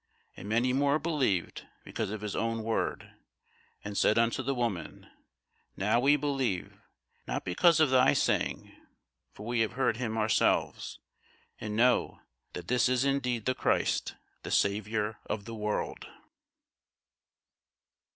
And many more believed because of his own word; and said unto the woman, Now we believe, not because of thy saying: for we have heard him ourselves, and know that this is indeed the Christ, the Saviour of the world.